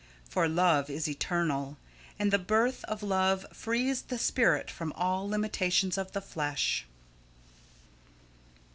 For love is eternal; and the birth of love frees the spirit from all limitations of the flesh.